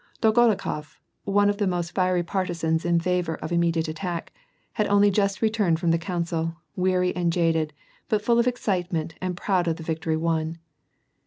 Dolgorukof, one of the most fiery partisans in favor of im mediate attack, had only just returned from the oonncil, weary and jaded, but full of excitement and proud of the victory won.